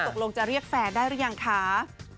ตกลงจะเรียกแฟนได้หรือยังคะ